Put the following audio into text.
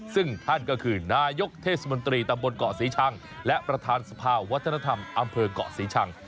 ซึ่งท่านก็คือนายกเทศมนตรีตำบลเกาะศรีชังและประธานสภาวัฒนธรรมอำเภอกเกาะศรีชัง